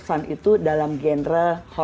sebagai contoh ya